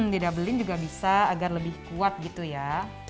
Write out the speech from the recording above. dide double in juga bisa agar lebih kuat gitu ya